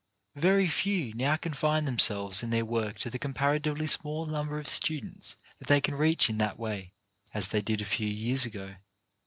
Very few now confine themselves and their work to the comparatively small number of students that they can reach in that way, as they did a few years ago.